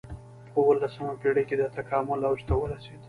په اولسمه پېړۍ کې د تکامل اوج ته ورسېد.